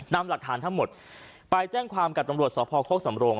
นำหลักฐานทั้งหมดไปแจ้งความกับตำรวจสพโคกสำโรง